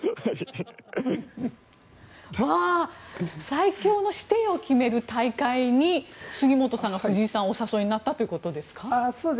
最強の師弟を決める大会に杉本さんが藤井さんをお誘いになったということですか？